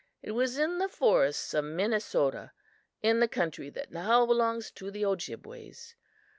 "It was in the forests of Minnesota, in the country that now belongs to the Ojibways.